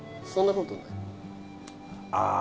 そんなことない？